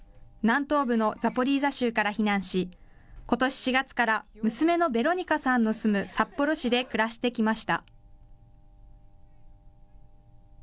南東部のザポリージャ州から避難し、ことし４月から娘のベロニカさんの住む札幌市で暮らしてきました。